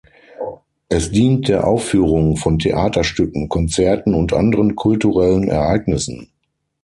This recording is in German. Es dient der Aufführung von Theaterstücken, Konzerten und anderen kulturellen Ereignissen.